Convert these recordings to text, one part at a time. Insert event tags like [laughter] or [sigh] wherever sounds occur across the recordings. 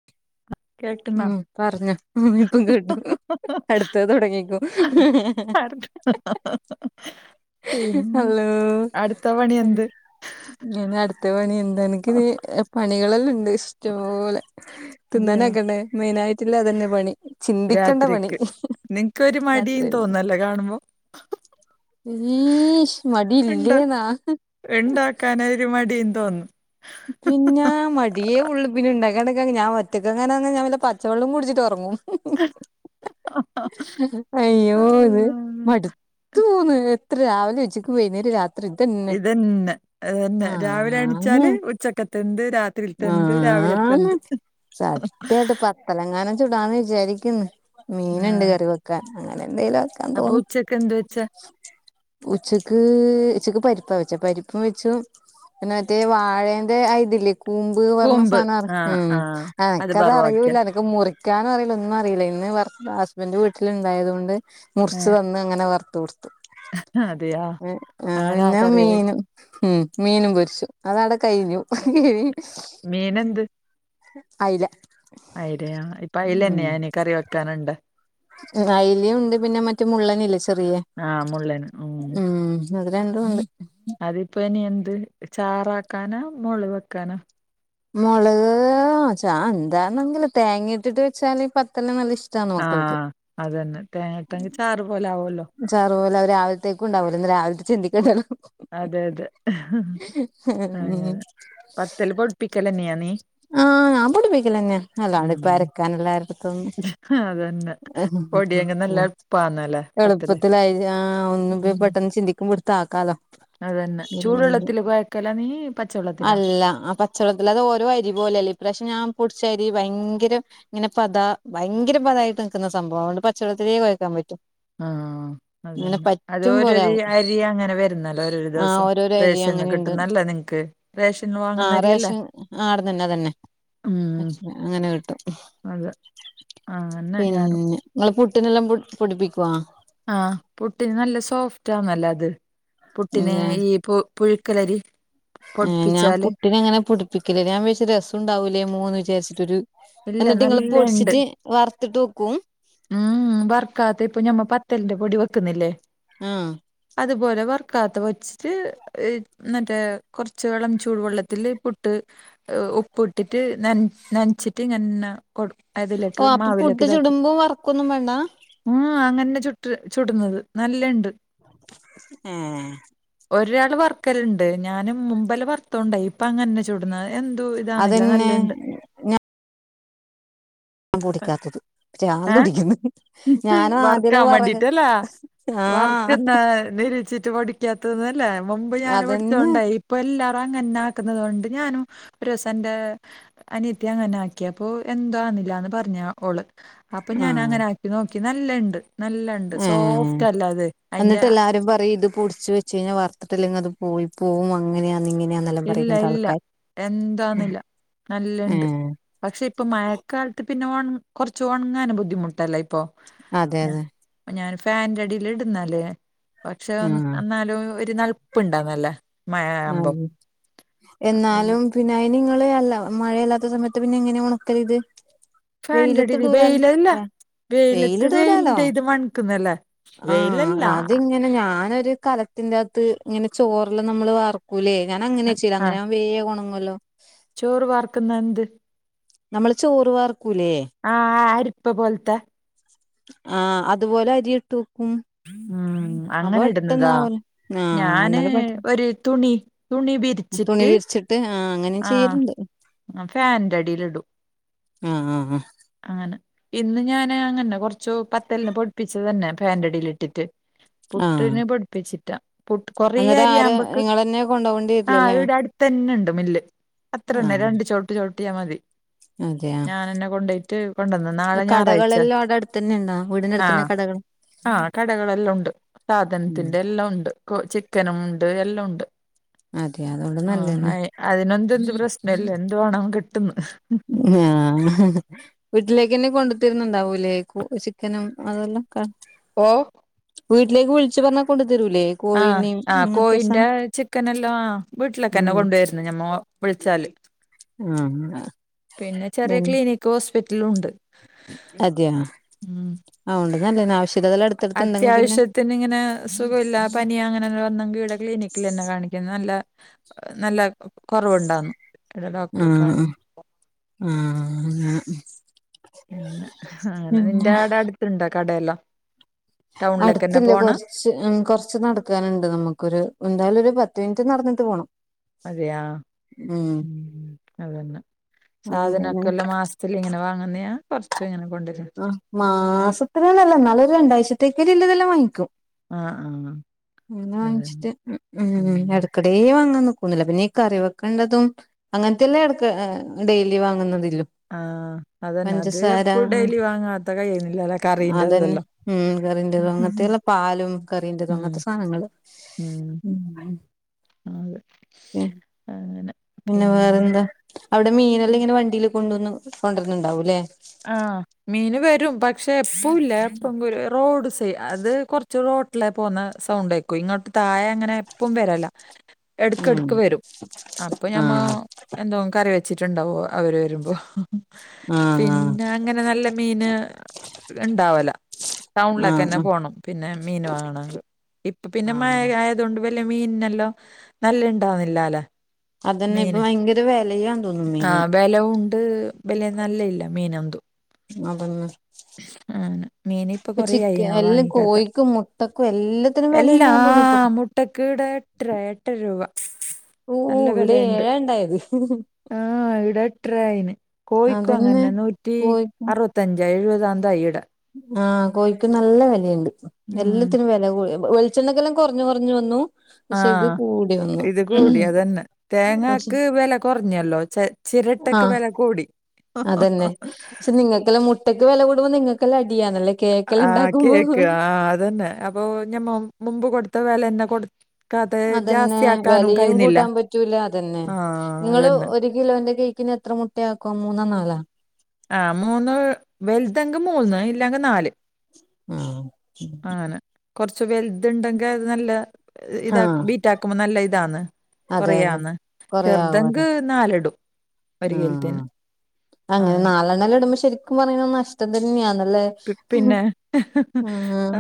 [inaudible] കേൾക്കുന്ന ഉം പറഞ്ഞോ ഇപ്പം കേട്ടു അടുത്ത തുടങ്ങിക്കും പിന്നെ അടുത്ത പണി എന്ത്? ഞനെ അടുത്ത പണി എന്താ എനിക്ക് പണികളെല്ലാം ഇണ്ട് ഇഷ്ടപോലെ അതെയോ തിന്നാനൊക്കണ്ടേ മെയിന യിട്ടില്ലേ അതന്നെ പണി ചിന്തിക്കേണ്ട പണി രാത്രിക്ക് നിനക്കോരു മടിയും രാത്രിയില് തോന്നല്ല കാണുമ്പോ ഏ ശ് മടി ഇല്ലേന്നാ? ണ്ടാക്കൻ ഒരു മടിയും തോന്നും പിന്നെ മടി ടിയെ ഉള് പിന്നെ ഉണ്ടാക്കാനോക്കെ ഞാൻറ്റക്ക എങ്ങന ഞൻ വ പച്ചവെള്ളം കുടിച്ചിട്ട് ഉറങ്ങും അയ്യോ ത് അല്ലാ. മാട് തൂന്ന് എത്ര രാവിലെ ഉച്ചിക്ക് വൈന്നേരം രാത് ഇതന്നെ ഇതന്നെ രാവിലെ ആന്ന് എണിച്ചാല് ഉച്ച- ക്കത്തെന്ത് രാത്രി ത്തെന്ത് രാവിലെ ആന്ന് ത്തെന്ത് തെലങ്കാന ചൂടാന്ന് വിചാരിക്കുന്നു ആ മീനണ്ട് കറി വെക്കാൻ അങ്ങനെ എന്തേലോ ആക ന്താ അപ്പൊ തോന്നുന്നു ഉച്ചക്ക് എന്ത് വെച്ച ഉച്ചക്ക് ഉച്ചക്ക് പരിപ്പാ വെച്ച പരിപ്പും വെച്ച പി മറ്റേ വാഴ- ന്റെ തില്ലേ കൂമ്പ് പറണ കൂമ്പ് സാധന ആ ഉ ആ അത് ആനക്ക്ത് ബറവാക്കിയ അറിയൂല്ല മുറിക്കാനും അറിയില്ല ഒന്നും അറിയില്ല ഇന്ന് വ ഹസ്ബൻഡ് വീട്ടില ണ്ടായത കൊണ്ട് മുറിച്ചു ത ങ്ങനെ വറത്ത കൊടുത്ത അതെയാ അങ്ങനെ ആ പിന്നെ കറിയായി മീനും ഉം മീനും പൊരിച്ചു അത അവിടെ കഴിഞ്ഞു മീനെന്ത്? അയ്‌ല അയിലയ ഇപ്പൊ അയിലന്നെയാനികറി വെക്കാനുണ്ട് അയ്ലിംഉണ്ട് പിന്നെ മറ്റേ മുള്ളനില്ലെ ചെറിയ ആഹ് മുള്ളൻ ഉം അത്‌ രണ്ടുണ്ട് അതിപ്പോ ഇനി എന്ത് ചാറാക്കാനാ മുള വെക്കാനോ മുളക് ചാ എന്താന്നങ്കില് തേങ്ങ ഇട്ടിട്ട് വെച്ചാല് പത്തെല്ലാം നല്ല ഇഷ്- ആഹ് അതന്നെ തേങ്ങട്ടെങ്കിൽ ചാറു പോലെ ആവുല്ലോ ചാറു പോലെ അവ രാവിലത്തേക്കു ണ്ടാവലോന്ന് രാവിലത്തെ ചിന്തി ക്കണ്ടല്ലോ അതെ അതെ ഉം പത്തല് പൊടുപ്പിക്കലെന്നെയാന്നീ ആഹ് ഞാൻ പൊടിപ്പിക്കലെന്നാ അല്ലാണ്ട് ഇപ്പ ഉം അരക്കാൻ എല്ലരത്ക്കും അതന്നെ പൊടിയെങ്കി നല്ല എളുപ്പാന്നല്ലേ പത്തല് എളുപ്പത്തിലായി ഒന്നും പെട്ടെന്ന് ചിന്തിക്കുമ്പെടുത്ത് ആക്കാലോ അതെന്നെ ചൂടുള്ളത്തില് കുയക്കലാ നീ പച്ചവെള്ളത്തിലോ ല്ല ആഹ് പ പച്ചള്ളത്തിൽ അത് ഓരോ അരി പോലെല്ലേ ഇ പ്രാവശ്യം ഞാൻ പൊടിച്ച അരി ഭയങ്കരം ഇങ്ങനെ പതാ ഭയങ്കര പതായിട്ട് നിക്കുന്ന സംഭവം അതൊണ്ട് പച്ചള്ളത്തിലേ കുഴക്കാൻ പറ്റൂ ആഹ് ആ അത് തന്നെ അത് ഓരോ പോലെ ആവും അരി അങ്ങനെ വരുന്നല്ലോ ഓരോ ആഹ് ദിവസം ഓരോരോ അരി [unintelligible] തന്നെ അങ്ങനെയുണ്ട് കിട്ടുന്നല്ല നിങ്ങക്ക് റേഷൻ വാങ്ങുന്നരിയല്ലേ തന്നെ തന്നെ പക്ഷ അങ്ങനെ കിട്ടും ആഹ് ന്ന ഞാനും ഇങ്ങൾ പുട്ടിനെല്ലാം പൊടിപ്പിക്കോ ആഹ് പുട്ടിന് നല്ല സോഫ്റ്റ് ആണല്ലോ അത് പുട്ടിനെ പിന്നെ ഈ പൊ പുഴുക്കലരി ഞാൻ പൊടിപ്പിച്ചാല് പുട്ടിനെ അങ്ങനെ പൊ ടിപ്പിക്കല്ലേ ഞാൻ വി രസണ്ടാവൂലേ മൂവിചാരിച്ചിട്ടൊരു ഇല്ല എന്നിട്ട് ഇങ്ങള് നല്ല പൊടിച്ചിട്ട് വറത്ത് ട്ട് വെക്കും ഉമ് വർക്കാതെ ഇപ്പൊ ഞമ്മ പത്തല്ലിന്റെ പൊടി വെക്കുന്നില്ലേ ആഹ് അതുപോലെ വറക്കാതെ വച്ചിട്ട് മറ്റേ കുറച്ച് വെള്ളം ചൂടുവെള്ളത്തില് പുട്ട് ഉപ്പ് ഇട്ടിട്ട് നനച്ചിട്ട് ഇങ്ങനെ കൊടു ഓഹ് അപ്പൊ പുട്ട് ചുടുമ്പും വറക്കൊന്നും വേണ്ട ഉമ് അങ്ങനെ ചുട്ട് ചുടുന്നത് നല്ലണ്ട് ഏഹ് ഒരാള് വർക്കലുണ്ട് ഞാനും മുമ്പല് വറുത്തോണ്ടായി പ്പ അങ്ങന്നെ ചൂടുന്നത് എന്തതു ഇതാന്നില്ല അതന്നെ നല്ല ഉണ്ട് പൊടിക്കാത്തത് പക്ഷെ ഏഹ് പ്രാന്തു പിടിക്കുന്നു ഞാനും ആദ്യത്തെ വറക്കാൻ പറ വേണ്ടീട്ടല്ല. ആഹ് രിച്ചിട്ട് പഠിക്കാത്തന്നല്ലേ മുമ്പ് ഞാന് അതന്നെ പഠിച്ചോണ്ടായി ഇപ്പൊ എല്ലാരും അങ്ങന്നെ ആക്കുന്നുന്നത് കൊണ്ട് ഞാനും ഒരുസന്റെ അനിയത്തി അങ്ങനെ ആക്കിയ അപ്പോ എന്തണില്ലന്ന് പറഞ്ഞ ഞാ ഓള് അപ്പൊ ഞാൻ അങ്ങനെ ആക്കി നോക്കി നല്ല ഇണ്ട് ആഹ് അയിന്റെ എന്നിട്ട് എല്ലാരും പറയും ഇത് പൊടിച്ച വെ- ച വർത്തിട്ടല്ലെങ്കി അത് പോയി പോവും അങ്ങനെയാങ്ങ ഇല്ല ഇല്ല എന്താന്നില്ല നല്ലണ്ട് ഏഹ് പക്ഷെ ഇപ്പൊ മഴക്കാലത്ത് പിന്നെ കുറച്ച് ഉണങ്ങാന് ബുദ്ധിമുട്ടല്ല ഇപ്പൊ അതെ അതെ ഞാൻ ഫാന്റഡീല് ഇടുന്നല്ലേ പക്ഷെ ആഹ് എന്നാലും ഒരു നൽപ്പ് ഇണ്ടന്നല്ല മഴ ആവുമ്പം ആഹ് എന്നാലും പിന്നെ അതി നിങ്ങള് അല്ല മഴയല്ലാത്ത സമയത്ത് പിന്നെ എങ്ങനെയ ഉണക്കൽ ഇത് ഫാൻന്റെ ഡി വെയിലത്തിടൂലാലോ വെയിലല്ല വെ വെയിലത്ത് വെയിലിടൂലാലോ വെയിലിന്റെ ഇത് മണക്കുന്നല്ലേ ആഹ് വെയിലല്ല അതിങ്ങനെ ഞാനൊരു കലത്തിന്റെ അകത്ത് ഇങ്ങനെ ചോറെല്ലാം നമ്മള് വർ കുലേ ഞാന അങ്ങനെ വെച്ച ആ അങ്ങനെ അവൻ വേഗ കൊണങ്ങല്ലോ ചോറ് വർക്ക്ന്ന എന്ത് നമ്മൾ ചോർ വാർക്കൂല്ലേ ആഹ ആരിപ്പ പോലത്തെ ആഹ് അതുപോലെ അരി ഇട്ട് ഉം ഉം അപ്പൊ അങ്ങനെ പെട്ടെന്ന ഇടുന്നതാ ആവല്ലെ ആഹ് ഞാന് അന്നല്ല പെട്ടെന്ന് ഒരു തുണി തുണി തുണി വിരിച്ചിട്ട് വിരിച്ചിട്ട് ആ അങ്ങനെ ആ ചെയ്യലണ്ട് ഫാന്റെ അടിൽ ഇടും ആഹ് അങ്ങനെ ഇന്ന് ഞാൻ അങ്ങനെ കൊറച്ചു പത്തല്ലന് പൊടിിപ്പിച്ച തന്നെ ഫാൻറടിൽ ഇട്ടിട്ട് ആ പുട്ടിന് പൊടിപ്പിച്ചിട്ടാ പു് കൊറ അന്നേരം ആര് അരിയാുമ്പക്ക് നിങ്ങളന്നെ കൊണ്ടോകേണ്ടി ആഹ് വരില്ലല്ലേ ഇവിടെ അടുത്ത തന്നെ ഉണ്ട് മില്ല് അത്ര ആ തന്നെ രണ്ട് ചുവട്ട് ചോവിട്ട് ചെയാൻ മതി അതെയ ഞാാനെന്നെ കൊണ്ട പോയിട്ട് കൊണ്ടുവന്ന നാളെ ഞായറാഴ്ച കടകളെല്ലാം അവിടെ അടുത്ത് തന്നെ ഉണ്ടോ വീടിന്റെ അടുത്ത് ആഹ തന്നെ കടകൾ ആഹ കടകളെല്ലാം ഉണ്ട് ഉം സാധനത്തിന്റെ എല്ലാം ഉണ്ട് ചിക്കനും ഉണ്ട് എല്ലാം ഉണ്ട് അതെ അതുകൊണ്ട് ആ നല്ലതന്നെ അതിനൊന്തെന്ത് പ്രശ്നല്ല എന്തു വേണം കിട്ടുന്നു ആഹ വീട്ടിലേക്ക്ന്നെ കൊണ്ടുത്തിരുന്നുണ്ടാവൂ ഇലേക്കോ ചിക്കനും അതെല്ലാം ഓഹ് വീട്ടിലേക്ക് വിളിച്ചച്ച് പറഞ്ഞാ കൊണ്ട്ു തരുൂലേ ആഹ ആ കോയിന്റെ ചിക്കന എല്ലാം ആ വീട്ടിലൊക്കെ തന്നെ ഉം കൊണ്ടുവരുന്നു ആ പിനെ ചെറിയ അതന്നെ ക്ലിനി ഹോസ്പിറ്റല ഉണ്ട് അതെയ ഉം ആണ്ട് നല്ല ആവിശ്യതിന എടുത്ത് അത്യാവശ്യത്തിന് ഇങ്ങനെ സുഖമ ഇില്ല പനിയ അങ്ങനെല്ലെ വന്നെങ്കിൽടെ ക്ലിനിക്കിൽ തന്നെ കാണിക്കുന്നത് നല്ല നല്ല കുറവുണ്ടാുന്നു ആഹ ആ പിന്നെ അങ്ങനെ പിന്നെ നിന്റെ ആടെ അടുത്തിുണ്ടോ കടയെല്ലാം ടൗണിലേക്ക് തന്നെ അടുത്തില്ലേ പോണ കൊറച്ച് കുറച്ച് നടക്കാനുണ്ട് നമുക്കൊരു എന്തായാലും ഒരു പത്ത് മിനിറ്റ് നടന്നിട്ട് പോണം അതെയ ഉം അതന്നെ അങ്ങനെ സാധനക്കെല്ലാം മാ അ ഇങ്ങനൊങ്ങുന്ന കുറച്ചും ഇങ്ങനെ കൊണ്ടുവരരുന്നു മാസത്തിന നല്ല എന്നാലും ഒരു രണ്ടാഴ്ചത്തേക്ക ഇല്ലതെല്ലാം വാങ്ങിക്കും ആ ആ എന്ന അതന്നെ വാങ്ങിച്ചിട്ട് ഉ ഉം. എടുക്ക ഇവിടെേ വാങ്ങാൻ നക്കുന്നില്ല പിന്നെഈ കറിവെക്കേണ്ടതും അങ്ങനത്തെെയല്ലേ ഇടക്ക് ഡെയിലി വാങ്ങുന്നതില്ലോ ആഹ അതന്നെ അത് പഞ്ചസാര എപ്പ ഡെലി വാങ്ങ അതന്നെ ഉം കറീറതും അങ്ങനത്തെെയള്ള പാലും കററതും ഉം അങ്ങനത്തെ സാധനങ്ങള് ഉം അത് അങ്ങനെ പിന്നെ അവിടെ മീനെല്ലാം ഇങ്ങനെ വണ്ടിയില് കൊണ്ടുവന്ന് കൊണ്ടുവന്ന്ണ്ടാവൂല്ലേ ആഹ് മീന് വരും പക്ഷെ എപ്പഴുംല്ല എപ്പ റോഡ് സൈ അത് കുറച്ച് റോട്ടില പോകുന്ന സൗണ്ട് ആയിക്കും ഇങ്ങോട്ട് താഴെ അങ്ങനെ എപ്പും വരമല്ല എടുക്ക ഉം എടുക്ക് വരും അപ്പൊ ഞമ്മ ആഹ് എന്തോ കറി വെച്ചിട്ടുണ്ടാവോ അവര് വരുമ്പോ ആഹ് ആഹ് പിന്നെ അങ്ങനെ നല്ല മീന് ഉണ്ടാവല ടൗണിലൊക്കെ തന്നെ ആഹ് പോകണം പിന്നെ മീൻ വാങ്ങണം ങ്കി ഇപ്പ പിന്നെ ആഹ് മഴ ണ്ട് വല മീനിനെല്ലാം നല്ല ഇണ്ടാവുന്നില്ല അല്ലെ അതന്നെ ഇപ്പ ഭയങ്കര വിലയാ തോന്നും മീന് വെലവും വില നല്ല ഇല്ല മീന എന്തും അതന്നെ അങ്ങനെ മീന് ഇപ്പൊ ഇപ്പ കൊറേയായി ചിക്ക ഞാൻ എല്ലാം വാങ്ങിക്കാ കോഴിക്ക് മു ട്ടക്കും എല്ലാ എല്ലാ മുട്ടക്കീടെ എട്ട എട്ടര രൂപ ഓഹ് നല്ല ഇവിടെ വെലയ്ണ്ട് ഏഴാ ഇണ്ടായത് ആഹ് ഇവിടെ എട്ട്ര ആയിന് കോഴിക്കും അതന്നെ അങ്ങൻന്നെ നൂറ്റി കോഴിക്കും അറുപത്തഞ്ച എഴുപതാന്താ ഇവിടെ ആഹ് കോഴിക്കും നല്ല വെലയിണ്ട് ഉം എല്ലാത്തിനും വെല കൂ വെളിച്ചെണ്ണക്കല്ലാം കൊറഞ്ഞ് കൊറ്ഞ്ഞു വന്നു പക്ഷെ ഇത് ആഹ് കൂടി വന്നു ഇത് കൂടിയതന്നെ പക്ഷെ തേങ്ങക്ക് വെല കൊറഞ്ഞല്ലോ ച ചിരട്ടക്ക് വെല കൂടി അതെന്നെ പഷേ നിങ്ങക്കല്ലാം മുട്ടക്ക് വെല കൂടുമ്പോ നിങ്ങക്കെല്ലാം അടിയാണല്ലേ അഹ് ആഹ് കേക്ക് ആഹ് അതന്നെ അപ്പൊ ഞമ്മ മുമ്പ് കൊടുത്ത വെലന്നെ കൊടു അതന്നെ വെലയും കൂട്ടാൻ പറ്റൂല അതന്നെ ആ നിങ്ങള് അതന്നെ ഒര് കിലോന്റെ കേക്കിന് എത്ര മുട്ടയാക്കും മൂന്നോ നാലോ ആഹ് മൂന്ന് വെൽതെങ്ക് മൂന്ന് ഇല്ലാങ്കി നാല് ആഹ് അങ്ങനെ കൊറച്ചു വെൽത്ണ്ടെങ്കെ ഇത് നല്ലെ ഇതക്ക്‌ ആഹ് ബീറ്റാക്കുമ്പോ നല്ല ഇതാണ് അതെ അതെ കൊറയാന്ന് കൊറേ ആവും അതെ ചെറുതെങ്ക് നാലെടും ആഹ് അങ്ങനെ നാലെണെല്ലം ഇടുമ്പോ ശരിക്കും പറഞ്ഞയ്ഞ്ഞ നഷ്ടം തന്നെയാണല്ലേ പി പിന്നെ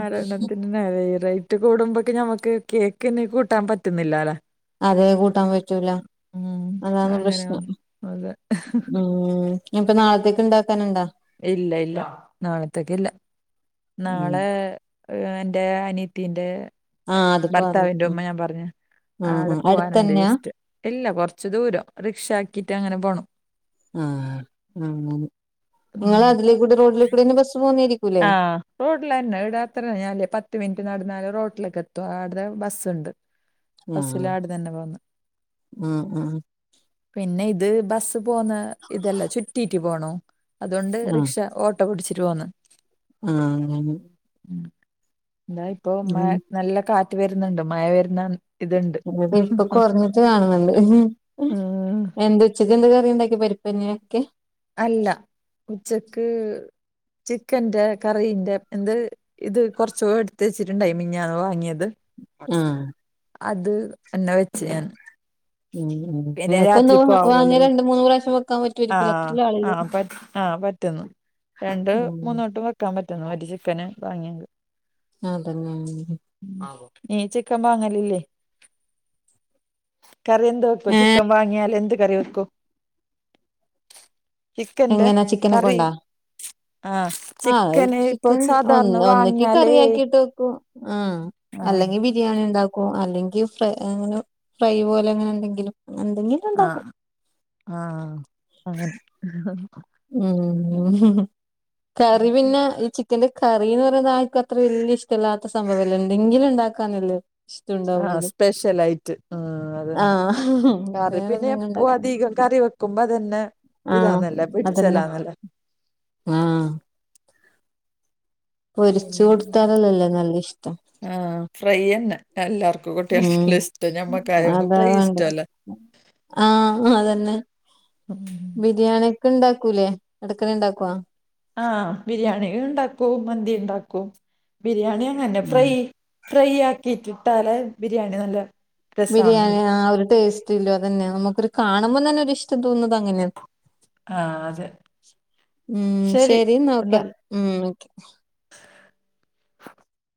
ആരോണത്തിന് നിന്നേ റേറ്റ് കൂടുമ്പെക്ക് ഞമ്മക്ക് കേക്ക്ന് കൂട്ടാൻ പറ്റുന്നില്ലാലാ അതേ കൂട്ടാൻ പറ്റൂല അതാണ് പ്രശ്നം അങ്ങനെയാണ് അതെ ഉം ഞ്ഞ് പ്പൊ നാളത്തേക്ക് ഇണ്ടാക്കാന്ണ്ടാ ഇല്ല ഇല്ല നാളത്തേക്ക് ഇല്ല ഉം നാളേ ഇഹ് എന്റെ അനീത്തിന്റെ ആഹ് അത് പറഞ്ഞു ഭർത്താവിന്റെ ഉമ്മ ഉം ഞാൻ പറഞ്ഞ് ആഹ് ആടെ ആഹ് പോവാനുണ്ട് അടുത്തന്നെയാ ജസ്റ്റ് ഇല്ല കുറച്ച് ദൂരം റിക്ഷ ആക്കിയിട്ട് അങ്ങനെ പോകണം ആഹ് അങ്ങനെ ഉം നിങ്ങള അതിലേ കൂടി റോഡിലേ കൂടെന്നും ബസ്സ് പോവുന്നേയിരിക്കൂല്ലേ ആഹ് റോഡിലന്നെ ഇവിടെ അത്ര യെലാ പത്ത് മിനിറ്റ് നടന്നാല് റോഡിലേക്ക് എത്തും ആട്ന്ന് ബസ്ണ്ട് ആഹ് ആഹ് ആഹ് പിന്നെ ഇത് ബസ്സ് പോന്ന ഇതല്ല ചുറ്റീറ്റ് പോണോം അതുകൊണ്ട് ആഹ് റിക്ഷ ഓട്ടോ പിടിച്ചിട്ട് പോന്ന് ആഹ് അങ്ങനെ എന്താ ഇപ്പൊ ഉം മഴ നല്ല കാറ്റ് വരുന്നുണ്ട് മഴ വരുന്ന ഇതുണ്ട് ഇവിടെ ഇപ്പൊ കുറഞ്ഞിട്ട് കാണ് ന്ന് ണ്ട് ഉം. എന്ത ഉച്ചക്ക് എന്ത് കറിണ്ടാക്കി പരിപ്പെന്നാക്കെ അല്ല ഉച്ചക്ക് ചിക്കന്റെ കറീന്റെ എന്ത് ഇത് കൊറച്ചൂ എടുത്ത് വച്ചിട്ട്ണ്ടായി മിഞ്ഞാന്ന് വാങ്ങിയത് ആഹ് അത് അന്നെ വെച്ച് ഞാൻ ഉം ഉം പിന്നെ ങ്ങക്കൊന്നു രാത്രിക്കും വാങ്ങിയ ആവുവല്ലല്ലോ രണ്ട് മൂന്ന് പ്രാവശ്യം വെ ആഹ് ആഹ് പ ആഹ് പറ്റ്ന്നു രണ്ട് ഉം മൂന്ന് വട്ടം വെ ക്കാൻ പറ്റുന്നു ഒരു ചിക്കന് വാങ്യെങ്ക് അതന്നെ [unintelligible] ഉം നിങ് ചിക്കൻ വാങ്ങലില്ലേ കറി എന്ത് വെപ്പു ഏഹ് ചിക്കൻ വാങ്ങിയാലെന്ത് കറിവെക്കും എങ്ങനാ ചിക്കനെക്കൊണ്ടാ ആഹ് ആഹ് അ ചിക്കന് ഇപ്പൊ ചിക്കൻ ഒന്ന് സാധാരണ ഒന്നെക്കി വാങ്ങിയാലേ കറിയാക്കിട്ട് വെക്കും ആഹ് ആഹ് അല്ലെങ്കി ബി രിയാണി ണ്ടാക്കും അല്ലെങ്കി ഫ്ര ങ്ങനെ ഫ്രൈ പോലെ അങ്ങനെ എന്തെങ്കിലും അങ്ങ എന്തെങ്കെ ആഹ് ആഹ് അങ്ങനെ ഉം [unintelligible] കറി പിന്നെ ഈ ചി ക്കന്റെ കറിന്ന് പറയുന്നത് ആൾക്ക് അത്ര വല്ല്യെ ഇഷ്ടല്ലാത്ത സംഭവല്ലെ എന്നെങ്കിലും ഉണ്ടാക്കാന്നെ ള്ളൂ ആഹ് സ്‌പെഷ്യലായിട്ട് ആഹ് അതന്നെ ആഹ് കറി പിന്നെ വേറെന്തെങ്കിലും എപ്പോ ഉണ്ടാക്കണം അധിക കറി വെക്കുമ്പോ അതന്നെ ആഹ് ഇതാന്നല്ലേ പിടിച്ചലാന്നല്ലേ ആ പൊരിച്ച് കൊടുത്താലല്ലല്ലേ നല്ല ഇഷ്ട്ട ആ ഫ്രൈ തന്നെ എല്ലാർക്കും ഉ കുട്ടികൾക്കെല്ലാം ഇഷ്ടം ഞമ്മക്കായങ്ങ് അതാ ഫ്രൈ വേണ്ട ഇഷ്ടമല്ല ആ അതന്നെ ബിരിയാണി ഒക്കെ ഉണ്ടാക്കൂലേ ഇടക്കണ ഉണ്ടാക്കുവ ആ ബിരിയാണി ഉണ്ടാക്കൂ മന്തി ഉണ്ടാക്കൂ ബിരിയാണി അങ്ങന്നെ ഫ്രൈ ഫ്രൈ ആക്കിട്ടിട്ടാലെ ബിരിയാണി നല്ല രസാണ് ബിരിയാണി ആ ഒരു ടേസ്റ്റ് ഇല്ലോ അതന്നെ നമുക്കൊരു കാണുമ്പോം തന്നെ ഒ ഇഷ്ടം തോന്നുന്നത് അങ്ങനെയ ആഹ് അതെ ഉ ശരി നോക്ക ഉ ഓക്കെ